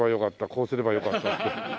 こうすればよかったって。